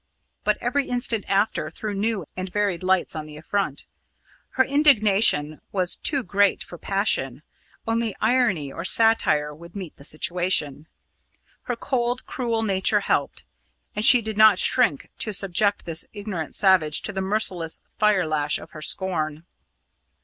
But every instant after threw new and varied lights on the affront. Her indignation was too great for passion; only irony or satire would meet the situation. Her cold, cruel nature helped, and she did not shrink to subject this ignorant savage to the merciless fire lash of her scorn.